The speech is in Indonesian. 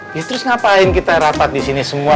ya terus ngapain kita rapat disini semua